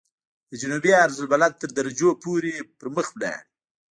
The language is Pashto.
د جنوبي عرض البلد تر درجو پورې پرمخ ولاړ.